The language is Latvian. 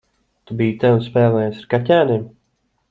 Tu biji te un spēlējies ar kaķēniem?